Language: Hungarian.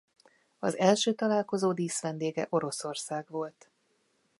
Az első találkozó díszvendége Oroszország volt.